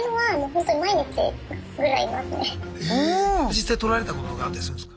実際取られたこととかあったりするんすか？